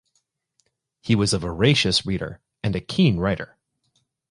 He was a voracious reader and a keen writer.